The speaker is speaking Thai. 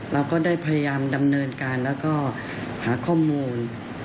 เราก็ได้พยายามดำเนินการแล้วก็หาข้อมูล